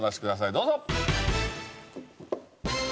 どうぞ。